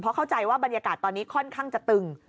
เข้าใจว่าบรรยากาศตอนนี้ค่อนข้างจะตึง